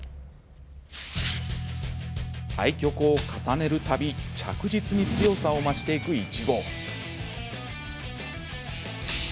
対局を重ねる度着実に強さを増していく苺。